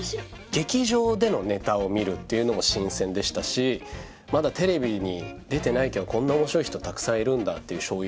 劇場でのネタを見るっていうのも新鮮でしたしまだテレビに出てないけどこんな面白い人たくさんいるんだっていう衝撃もありましたし。